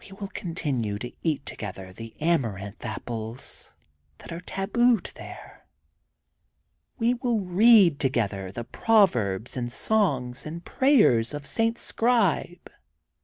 We will continue to eat together the Amaranth Apples that are tabooed there. We will read together the prov erbs and songs and prayers of St. Scribe and.